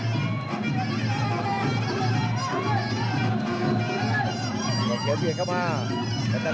แทนาเล็กเข้ามาอีกทีครับแล้วจะสุดท้ายมันกำเท่าที่เขาซ้าย